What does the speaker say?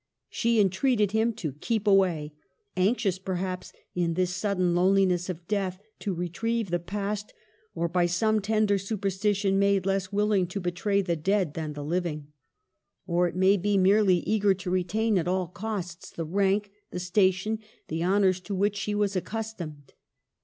She entreated him to keep away ; anxious, perhaps, in this sudden loneliness of death, to retrieve the past, or by some tender superstition made less willing to betray the dead than the living ; TROUBLES. 195 or, it may be, merely eager to retain at all costs the rank, the station, the honors to which she was accustomed.